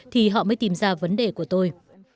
thì họ mới tìm ra vấn đề của tôi